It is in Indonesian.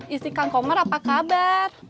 isti kang komar apa kabar